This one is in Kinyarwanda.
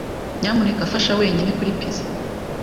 Nyamuneka fasha wenyine kuri pizza.